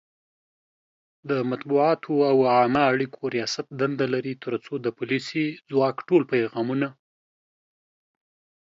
د مطبوعاتو او عامه اړیکو ریاست دنده لري ترڅو د پولیسي ځواک ټول پیغامونه